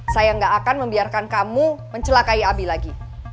saya gak akan membiarkan kamu mencelakai abi lagi